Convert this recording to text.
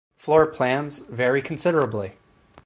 Floor plans vary considerably.